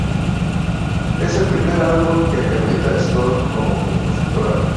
Es el primer álbum que acredita a Stone como compositora.